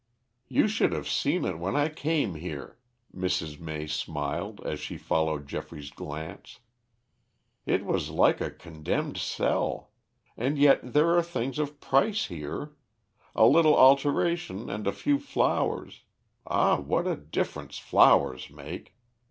"You should have seen it when I came here," Mrs. May smiled as she followed Geoffrey's glance. "It was like a condemned cell. And yet there are things of price here. A little alteration and a few flowers ah, what a difference flowers make!"